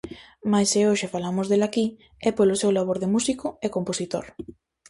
Mais se hoxe falamos del aquí é polo seu labor de músico e compositor.